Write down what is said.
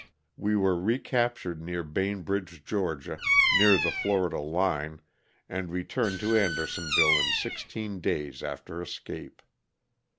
We were recaptured near Bainbridge, Ga., near the Florida line, and returned to Andersonville in sixteen days after escape.